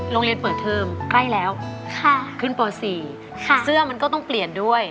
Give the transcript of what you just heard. โรงเรียนเปิดเทอมใกล้แล้วขึ้นป๔เสื้อมันก็ต้องเปลี่ยนด้วย